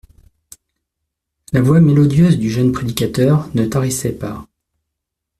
La voix mélodieuse du jeune prédicateur ne tarissait pas.